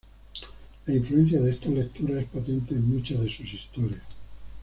La influencia de estas lecturas es patente en muchas de sus historias.